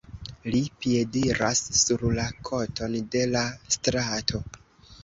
Li piediras sur la koton de la strato.